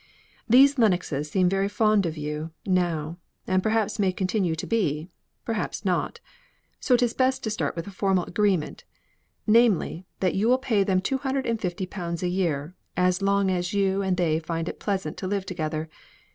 These Lennoxes seem very fond of you now; and perhaps may continue to be; perhaps not. So it is best to start with a formal agreement; namely, that you are to pay to them two hundred and fifty pounds a year, as long as you and they find it pleasant to live together.